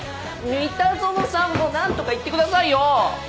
三田園さんもなんとか言ってくださいよ！